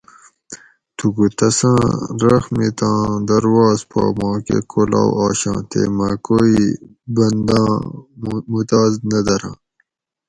تھوکو تساں رحمتاں درواز پا ماکہ کولاؤ آشاں تے مہ کوئی بنداں مُتاز نہ دۤراۤں